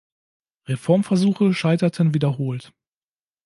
Reformversuche scheiterten wiederholt.